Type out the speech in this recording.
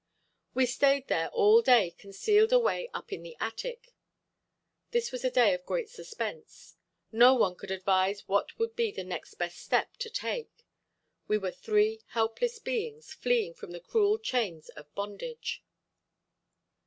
We stayed there all day concealed away up in the attic. This was a day of great suspense. No one could advise what would be the next best step to take. We were three helpless beings fleeing from the cruel chains of bondage.